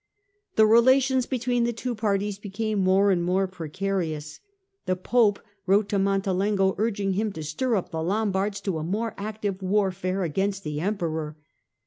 The relations between the two parties became more and more precarious. The Pope wrote to Montelengo urging him to stir up the Lombards to a more active warfare against the Emperor.